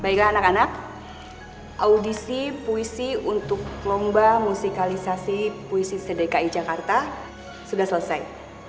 baiklah anak anak audisi puisi untuk lomba musikalisasi puisi sedekai jakarta sudah selesai